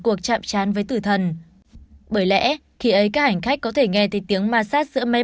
người chạm chán với tử thần bởi lẽ khi ấy các hành khách có thể nghe thấy tiếng ma sát giữa máy